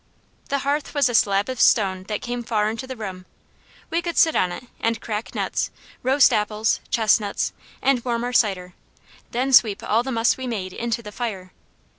The hearth was a slab of stone that came far into the room. We could sit on it and crack nuts, roast apples, chestnuts, and warm our cider, then sweep all the muss we made into the fire.